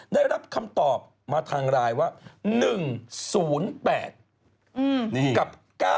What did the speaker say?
ได้รับคำตอบมาทางไลน์ว่า๑๐๘กับ๙๙